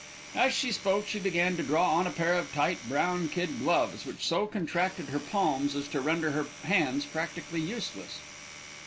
As she spoke she began to draw on a pair of tight brown kid gloves, which so contracted her palms as to render her hands practically useless.